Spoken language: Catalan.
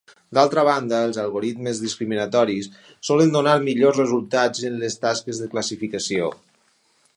D'altra banda, els algoritmes discriminatoris solen donar millors resultats en les tasques de classificació.